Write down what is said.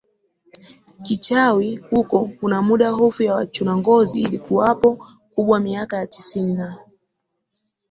kichawi hukoKuna muda hofu ya wachuna ngozi ilikuwapo kubwa miaka ya tisini na